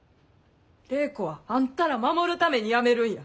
礼子はあんたら守るためにやめるんや。